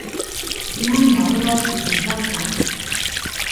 Nana ruakɨ kaɨ fakallɨ